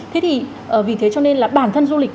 thế thì vì thế cho nên là bản thân du lịch